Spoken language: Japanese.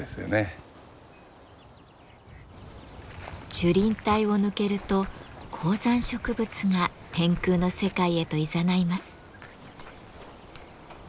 樹林帯を抜けると高山植物が天空の世界へといざないます。